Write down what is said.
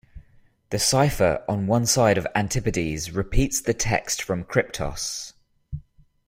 The cipher on one side of "Antipodes" repeats the text from "Kryptos".